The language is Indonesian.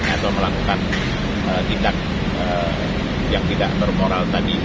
atau melakukan tindak yang tidak bermoral tadi